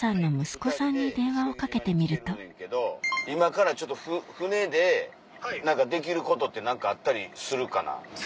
そして今からちょっと船で何かできることって何かあったりするかな？